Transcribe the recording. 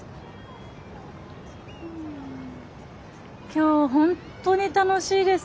今日本当に楽しいです。